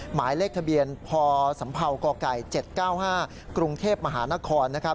หมายเลขทะเบียนพสัมเภากรกัย๗๙๕กรุงเทพฯมหานคร